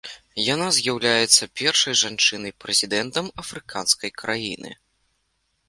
Яна з'яўляецца першай жанчынай-прэзідэнтам афрыканскай краіны.